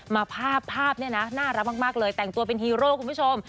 ภาพภาพเนี่ยนะน่ารักมากเลยแต่งตัวเป็นฮีโร่คุณผู้ชม